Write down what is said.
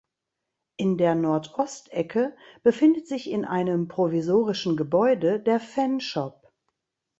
In der Nordostecke befindet sich in einem provisorischen Gebäude der Fanshop.